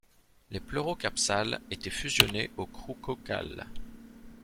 Les Pleurocapsales étaient fusionnés aux Chroococcales.